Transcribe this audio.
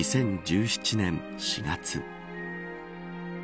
２０１７年４月。